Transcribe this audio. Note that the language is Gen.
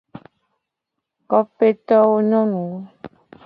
Kopetowo nyonuwo.